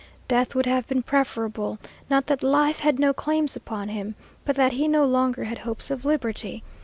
Death would have been preferable, not that life had no claims upon him, but that he no longer had hopes of liberty.